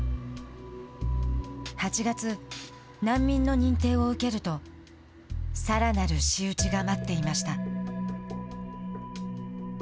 ８月、難民の認定を受けるとさらなる仕打ちが待っていました。